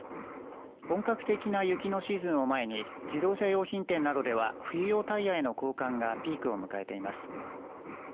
本格的な雪のシーズンを前に自動車用品店などでは冬用タイヤへの交換がピークを迎えています。